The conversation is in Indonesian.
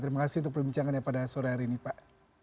terima kasih untuk perbincangannya pada sore hari ini pak